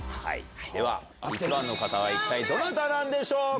では１番の方は一体どなたなんでしょうか？